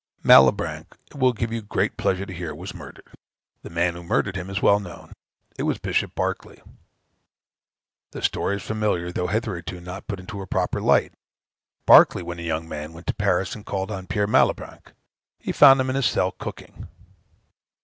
Malebranche, it will give you pleasure to hear, was murdered. The man who murdered him is well known: it was Bishop Berkeley. The story is familiar, though hitherto not put in a proper light. Berkeley, when a young man, went to Paris and called on Père Malebranche. He found him in his cell cooking.